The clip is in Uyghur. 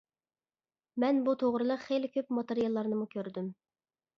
مەن بۇ توغرىلىق خېلى كۆپ ماتېرىياللارنىمۇ كۆردۈم.